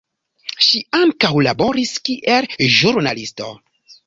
Ŝi ankaŭ laboris kiel ĵurnalisto.